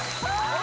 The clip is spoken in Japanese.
あ！